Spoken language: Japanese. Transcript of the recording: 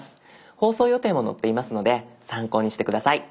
放送予定も載っていますので参考にして下さい。